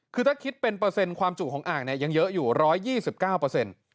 คือถ้าคิดเป็นเปอร์เซ็นต์ความจุของอ่างเนี่ยยังเยอะอยู่๑๒๙เปอร์เซ็นต์